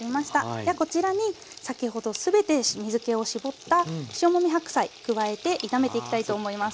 ではこちらに先ほど全て水けを絞った塩もみ白菜加えて炒めていきたいと思います。